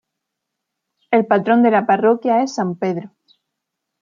El patrón de la parroquia es San Pedro.